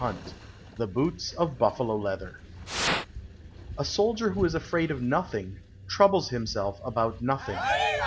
199 The Boots of Buffalo Leather A soldier who is afraid of nothing, troubles himself about nothing.